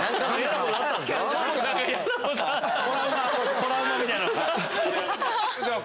トラウマみたいなのが。